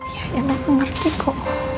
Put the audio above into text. ya ya ma ngerti kok